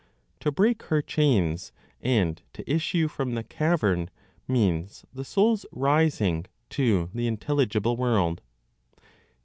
To break her chains, and to issue from the cavern, means the soul's rising to the intelligible world.